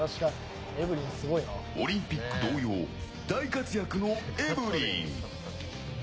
オリンピック同様大活躍のエブリン。